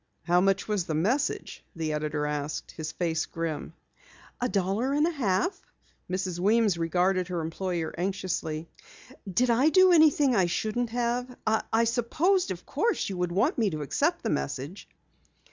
"How much was the message?" the editor asked, his face grim. "A dollar and a half." Mrs. Weems regarded her employer anxiously. "Did I do anything I shouldn't have? I supposed of course you would want me to accept the message."